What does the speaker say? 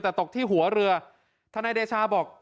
แต่ตกที่หัวเรือท่านไอนเดชาบอก